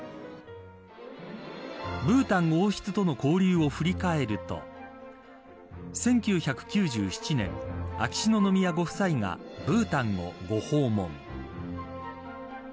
ブータン王室との交流を振り返ると１９９７年秋篠宮ご夫妻がブータンをご訪問